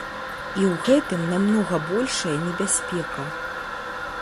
І ў гэтым намнога большая небяспека.